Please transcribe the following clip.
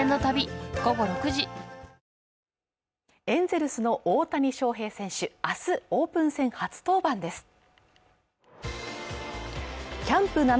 エンゼルスの大谷翔平選手明日オープン戦初登板です